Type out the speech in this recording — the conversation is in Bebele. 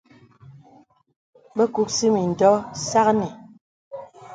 Bə kūsì mìndɔ̄ɔ̄ sâknì.